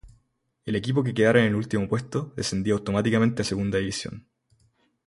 El equipo que quedara en el último puesto descendía automáticamente a Segunda División.